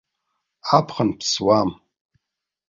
Аԥхын ԥсуам.